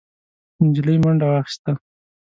نجلۍ منډه واخيسته.